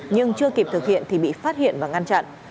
nhưng chưa kịp thực hiện thì bị phát hiện và ngăn chặn